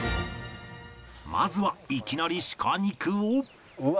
まずはいきなり鹿肉を